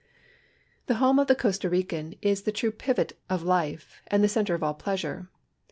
The home of the Costa Rican is the true pivot of life and the center of all pleasure.